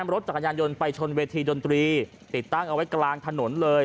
รถจักรยานยนต์ไปชนเวทีดนตรีติดตั้งเอาไว้กลางถนนเลย